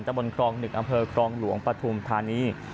จับมนต์คลองหนึ่งอำเภอคลองหลวงปทุมธานี